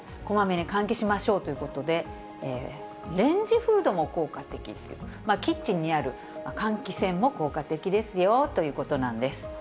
こまめに換気しましょうということで、レンジフードも効果的ということで、キッチンにある換気扇も効果的ですよということなんです。